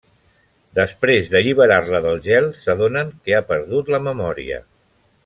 Després d'alliberar-la del gel s'adonen que ha perdut la memòria.